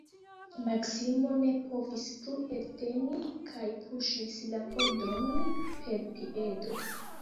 Maksimo ne povis plu elteni kaj puŝis la pordon per piedo.